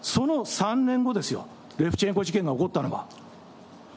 その３年後ですよ、レフチェンコ事件が起こったのは。